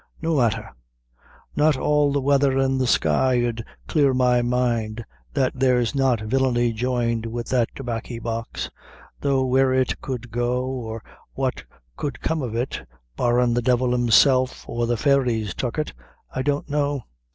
No matther not all the wather in the sky 'ud clear my mind that there's not villany joined with that Tobaccy box, though where it could go, or what could come of it (barrin' the devil himself or the fairies tuck it,) I don't know."